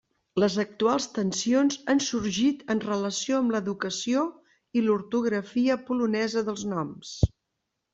Les actuals tensions han sorgit en relació amb l'educació i l'ortografia polonesa dels noms.